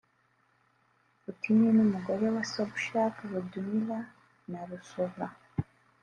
Putin n’ umugore wa Sobchak Lyudmila Narusova